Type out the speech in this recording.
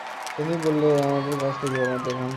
সন্দীপ বললে, আমাদের কাজ তো কেবলমাত্র এখনকার কাজই নয়।